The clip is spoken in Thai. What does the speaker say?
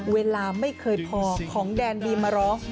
เวลาไม่เคยพอของแดนบีมาร้อง